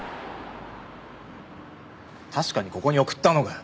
確かにここに送ったのかよ？